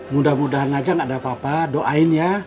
mudah mudahan aja gak ada papa doain ya